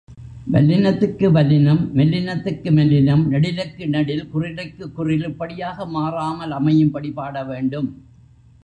வல்லினத்துக்கு வல்லினம், மெல்லினத்துக்கு மெல்லினம், நெடிலுக்கு நெடில், குறிலுக்குக் குறில், இப்படியாக மாறாமல் அமையும்படி பாட வேண்டும்.